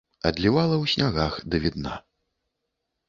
Адлівала ў снягах давідна.